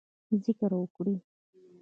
ذکر وکړئ